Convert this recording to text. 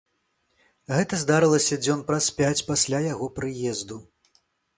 Гэта здарылася дзён праз пяць пасля яго прыезду.